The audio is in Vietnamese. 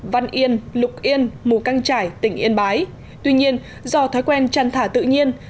văn yên lục yên mù căng trải tỉnh yên bái tuy nhiên do thói quen chăn thả tự nhiên